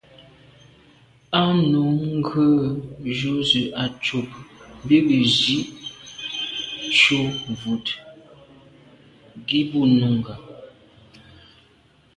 Á nǔm rə̂ jû zə̄ à' cûp bí gə́ zî cû vút gí bú Nùngà.